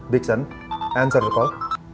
biksen jawab panggilan